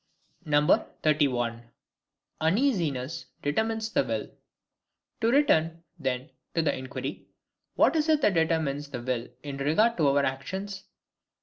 31. Uneasiness determines the Will. To return, then, to the inquiry, what is it that determines the will in regard to our actions?